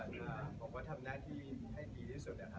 ใช่เพราะว่าไม่อยากให้เขาเหงา